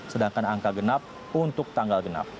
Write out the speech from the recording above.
sedangkan angka genap untuk tanggal genap